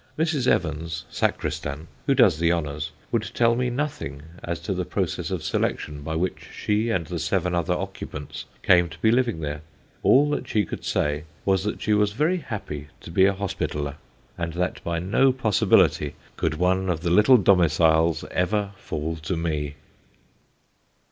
Mrs. Evans, sacristan, who does the honours, would tell me nothing as to the process of selection by which she and the seven other occupants came to be living there; all that she could say was that she was very happy to be a Hospitaller, and that by no possibility could one of the little domiciles ever fall to me.